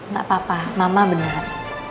gak apa apa mama benar